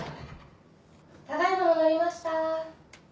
・ただ今戻りました